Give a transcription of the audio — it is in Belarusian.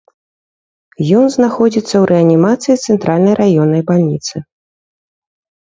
Ён знаходзіцца ў рэанімацыі цэнтральнай раённай бальніцы.